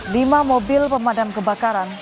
lima mobil pemadam kebakaran